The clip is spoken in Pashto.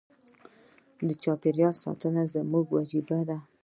د چاپیریال ساتنه زموږ وجیبه ده.